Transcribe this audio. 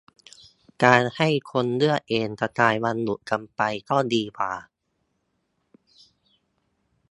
การให้คนเลือกเองกระจายวันหยุดกันไปก็ดีกว่า